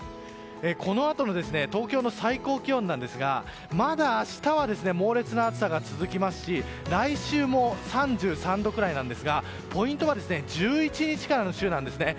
このあとの東京の最高気温なんですがまだ明日は猛烈な暑さが続きますし来週も３３度くらいなんですがポイントが１１日からの週なんですね。